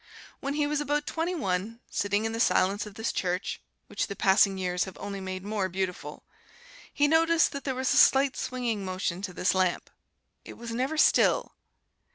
When he was about twenty one, sitting in the silence of this church (which the passing years have only made more beautiful), he noticed that there was a slight swinging motion to this lamp it was never still.